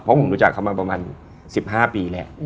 เพราะผมรู้จักเขามาประมาณ๑๕ปีแหละ